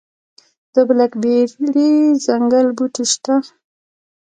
د بلک بیري ځنګلي بوټي شته؟